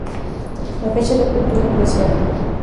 La fecha de apertura fue ese año.